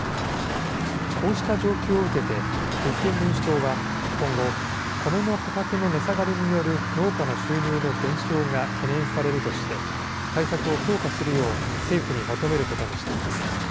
こうした状況を受けて、立憲民主党は今後、コメの価格の値下がりによる農家の収入の減少が懸念されるとして、対策を強化するよう政府に求めることにしています。